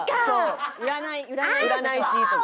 占い師とか。